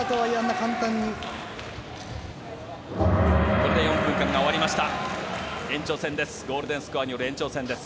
これで４分間が終わりました。